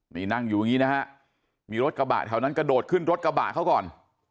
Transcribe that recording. นี่นั่งอยู่อย่างนี้นะฮะมีรถกระบะแถวนั้นกระโดดขึ้นรถกระบะเขาก่อน